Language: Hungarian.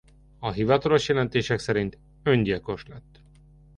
A hivatalos jelentések szerint öngyilkos lett.